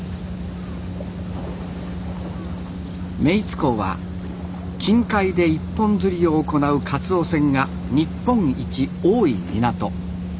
目井津港は近海で一本釣りを行うカツオ船が日本一多い港。